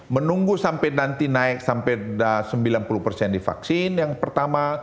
menunggu sampai nanti naik sampai sembilan puluh di vaksin yang pertama